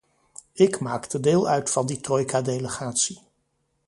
Ik maakte deel uit van die trojkadelegatie.